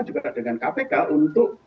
juga dengan kpk untuk